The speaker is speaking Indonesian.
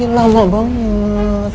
ya lama banget